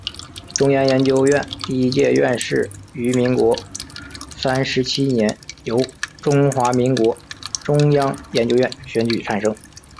中央研究院第一届院士于民国三十七年由中华民国中央研究院选举产生。